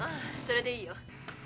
「それでいいよ」。